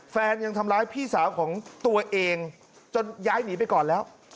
ยังทำร้ายพี่สาวของตัวเองจนย้ายหนีไปก่อนแล้ว